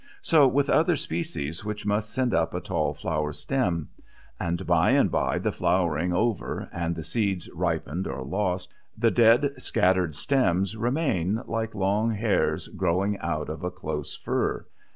So with other species which must send up a tall flower stem; and by and by, the flowering over and the seeds ripened or lost, the dead, scattered stems remain like long hairs growing out of a close fur.